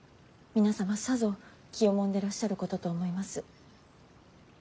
皆様さぞ気をもんでらっしゃることと思います。